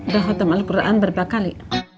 daghotham al quran berbakali